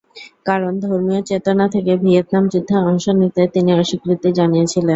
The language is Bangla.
কারণ, ধর্মীয় চেতনা থেকে ভিয়েতনাম যুদ্ধে অংশ নিতে তিনি অস্বীকৃতি জানিয়েছিলেন।